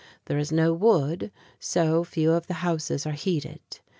There is no wood, so few of the houses are heated.